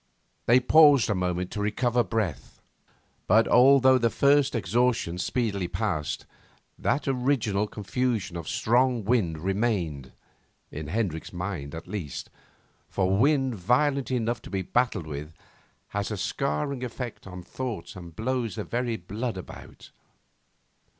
They paused a moment to recover breath. But although the first exhaustion speedily passed, that original confusion of strong wind remained in Hendricks' mind at least, for wind violent enough to be battled with has a scattering effect on thought and blows the very blood about.